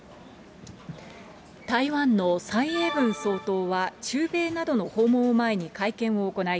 台湾の蔡英文総統は中米などの訪問を前に会見を行い、